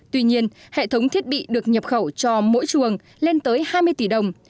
tuy nhiên hệ thống thiết bị được nhập khẩu cho mỗi chuồng lên tới hai mươi tỷ đồng